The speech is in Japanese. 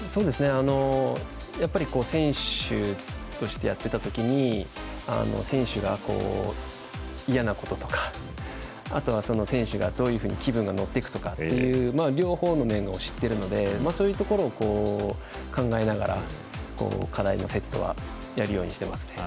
やっぱり選手としてやっていた時に選手が嫌なこととかあとは、選手がどういうふうに気分が乗っていくかとか両方の面を知っているのでそういうところを考えながら課題のセットはやるようにしていますね。